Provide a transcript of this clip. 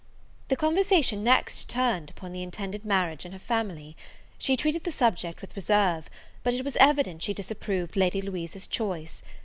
The conversation next turned upon the intended marriage in her family. She treated the subject with reserve; but it was evident she disapproved Lady Louisa's choice.